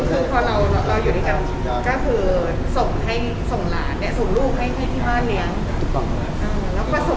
ก็พร้อมนะครับแต่อยู่คนละบริษัท